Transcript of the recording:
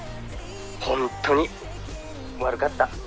「本当に悪かった」